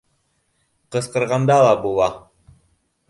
— Ҡысҡырғанда ла була